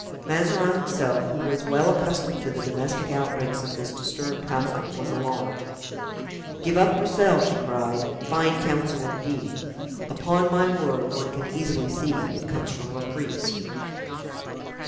Mazarin himself, who was well accustomed to the domestic outbreaks of this disturbed household, was alarmed. "Give up Broussel!" she cried; "fine counsel, indeed. Upon my word! one can easily see it comes from a priest."